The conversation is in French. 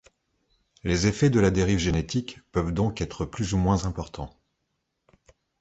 Les effets de la dérive génétique peuvent donc être plus ou moins importants.